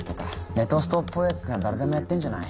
ネトストっぽいヤツなら誰でもやってんじゃない？